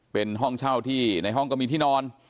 เป็นห้องเช่าที่ในห้องก็มีที่นอน